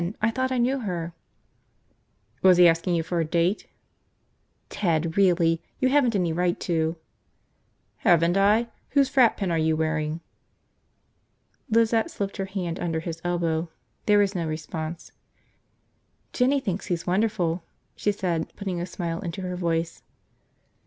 I thought I knew her." "Was he asking you for a date?" "Ted, really! You haven't any right to. ..." "Haven't I? Whose frat pin are you wearing?" Lizette slipped her hand under his elbow. There was no response. "Jinny thinks he's wonderful," she said, putting a smile into her voice.